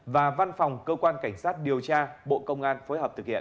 và văn phòng cơ quan cảnh sát điều tra bộ công an phối hợp thực hiện